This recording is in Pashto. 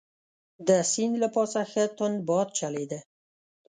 د سیند له پاسه ښه توند باد چلیده.